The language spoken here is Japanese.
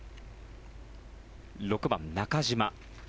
６番、中島。